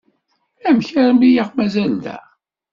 Amek armi i aɣ-mazal da?